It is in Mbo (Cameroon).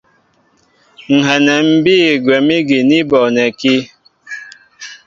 Ŋ̀ hɛnɛ ḿ bîy gwɛ̌m ígi ni bɔnɛkí.